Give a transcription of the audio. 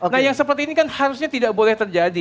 nah yang seperti ini kan harusnya tidak boleh terjadi